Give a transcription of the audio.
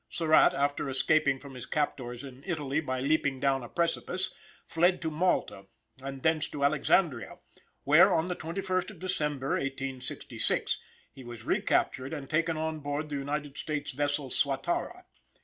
Surratt, after escaping from his captors in Italy by leaping down a precipice, fled to Malta and thence to Alexandria, where, on the 21st of December, 1866, he was recaptured and taken on board the United States vessel "Swatara."